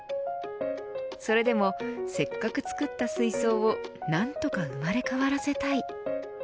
それでも、せっかく作った水槽を何とか生まれ変わらせたい。